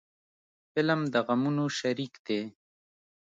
فلم د غمونو شریک دی